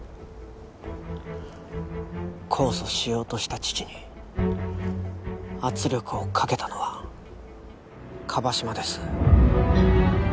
控訴しようとした父に圧力をかけたのは椛島です。